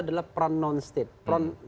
adalah peran non state peran